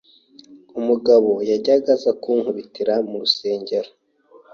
Umugabo yajyaga aza kunkubitira mu rusengero